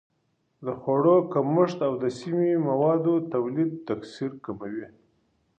د خوړو کمښت او د سمي موادو تولید تکثر کموي.